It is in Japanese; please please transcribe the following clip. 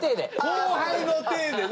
後輩の体でね。